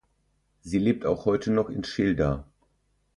Sie lebt auch heute noch in Schilda.